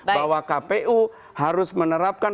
bahwa kpu harus menerapkan